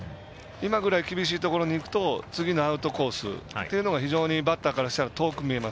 今ぐらい厳しいところにいくと次のアウトコースというのが非常にバッターからしたら遠く見えます。